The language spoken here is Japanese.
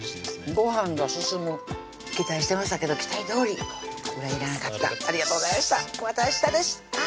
ごはんが進む期待してましたけど期待どおり裏切らなかったありがとうございましたまた明日ですあ